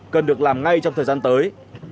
cần được làm ngay trong thời gian tới